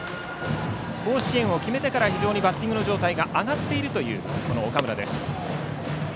甲子園を決めてから非常にバッティングの状態が上がっている岡村です。